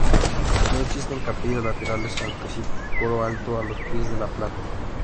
No existen capillas laterales aunque sí coro alto a los pies de la planta.